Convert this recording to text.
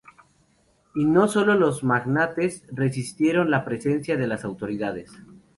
Y no sólo los "magnates" resistieron la presencia de las autoridades.